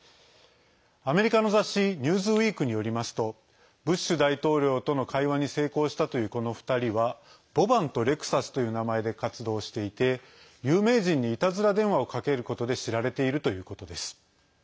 アメリカの雑誌「ニューズウィーク」によりますとブッシュ大統領との会話に成功したという、この２人はボバンとレクサスという名前で活動していて有名人にいたずら電話をかけることで知られているということです。